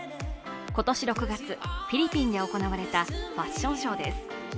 今年６月、フィリピンで行われたファッションショーです。